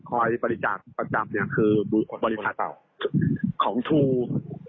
คอยบริจาคประจำเนี้ยคือบิบริษัทของทูของ